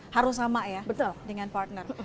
harus sama ya betul dengan partner